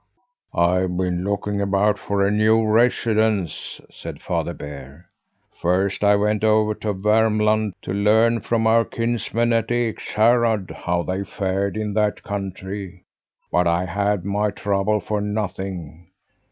"I've been looking about for a new residence," said Father Bear. "First I went over to Vermland, to learn from our kinsmen at Ekshärad how they fared in that country; but I had my trouble for nothing.